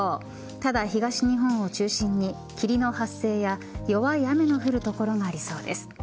ただ、東日本を中心に霧の発生や弱い雨の降る所がありそうです。